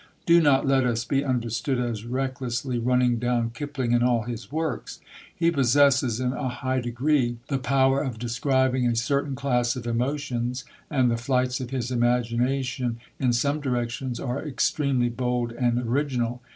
Do not let us be understood as recklessly running down Kipling and all his works.... He possesses in a high degree the power of describing a certain class of emotions, and the flights of his imagination in some directions are extremely bold and original.